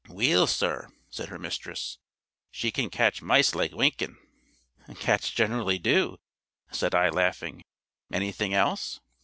"Weel, sir," said her mistress, "she can catch mice like winking." "Cats generally do," said I laughing; "anything else?"